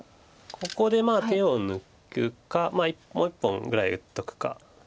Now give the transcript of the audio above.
ここで手を抜くかもう１本ぐらい打っとくか。